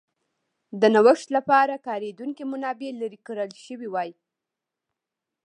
د نوښت لپاره کارېدونکې منابع لرې کړل شوې وای.